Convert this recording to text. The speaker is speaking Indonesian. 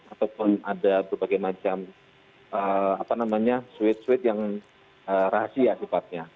ataupun ada berbagai macam suit suit yang rahasia sifatnya